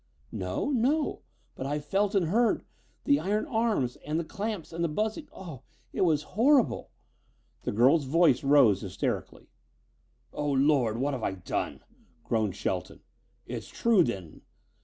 "No, no. But I felt and heard the iron arms and the clamps and the buzzing. Oh, it was horrible!" The girl's voice rose hysterically. "Oh, Lord! What have I done?" groaned Shelton. "It's true, then.